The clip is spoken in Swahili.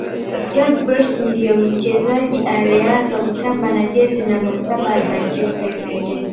george best ndiye mchezaji aliyeanza kutamba na jezi namba saba manchester united